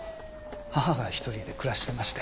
母が１人で暮らしてまして。